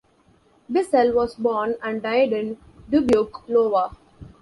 Bissell was born and died in Dubuque, Iowa.